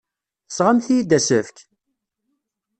Tesɣamt-iyi-d asefk?!